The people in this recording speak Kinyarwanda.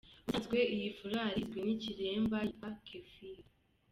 Ubusanzwe iyi foulard, izwi nk’ikiremba, yitwa kéfié.